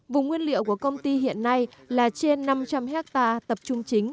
vùng nguyên liệu của công ty hiện nay là trên năm trăm linh hectare tập trung chính